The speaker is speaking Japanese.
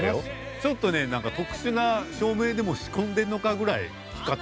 ちょっとね特殊な照明でも仕込んでんのか？ぐらい光ってたよ。